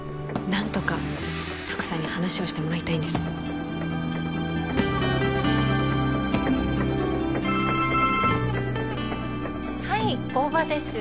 何とか拓さんに話をしてもらいたいんですはい大庭です